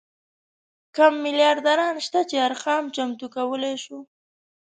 کم میلیاردران شته چې ارقام چمتو کولی شو.